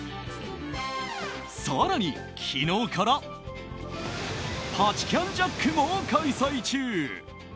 更に、昨日からパチキャンジャックも開催中。